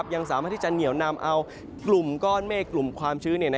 ยังสามารถที่จะเหนียวนำเอากลุ่มก้อนเมฆกลุ่มความชื้น